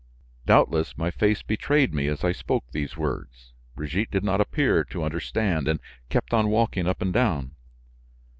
Doubtless, my face betrayed me as I spoke these words; Brigitte did not appear to understand and kept on walking up and down.